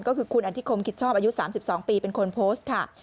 ก็คือคุณอันทิคมคิดชอบอายุสามสิบสองปีเป็นคนโพสต์ค่ะ